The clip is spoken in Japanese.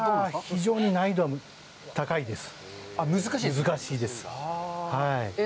非常に難易度は高いです。